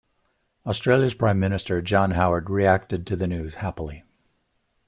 Australia's Prime Minister John Howard reacted to the news happily.